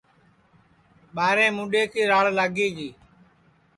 ٻاریں مُڈَیں کی راڑ لاگی گی